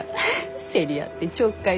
競り合ってちょっかい出して。